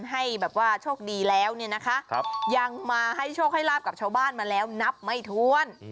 ให้แบบว่าโชคดีแล้วเนี่ยนะคะยังมาให้โชคให้ลาบกับชาวบ้านมาแล้วนับไม่ถ้วน